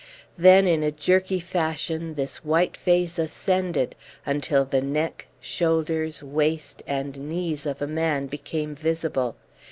Then in a jerky fashion this white face ascended, until the neck, shoulders, waist, and knees of a man became visible.